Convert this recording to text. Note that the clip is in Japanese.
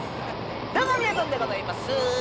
◆どうもみやぞんでございます。